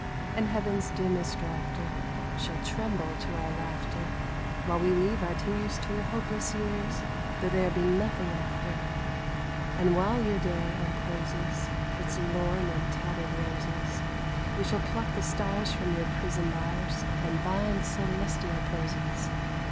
And heaven's dimmest rafter Shall tremble to our laughter, While we leave our tears to your hopeless years, Though there be nothing after ; And while your day uncloses Its lorn and tattered roses, We shall pluck the stars from your prison bars And bind celestial posies.